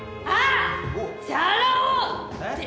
ああ？